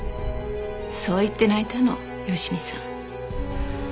そう言って泣いたの佳美さん。